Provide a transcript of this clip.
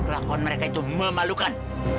lakon mereka itu memalukan